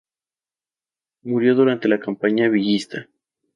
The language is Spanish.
Murió durante la campaña Villista.